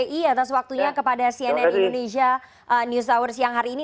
terima kasih juga kepada cnn indonesia news hours siang hari ini